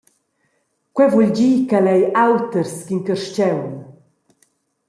Quei vul dir ch’el ei auters ch’in carstgaun!